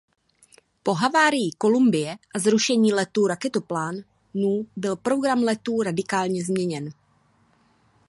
Po havárii Columbie a zrušení letů raketoplánů byl program letů radikálně změněn.